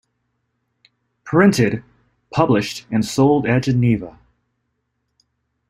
Printed, published and sold at Geneva.